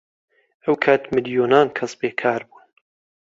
ئەو کات ملیۆنان کەس بێکار بوون.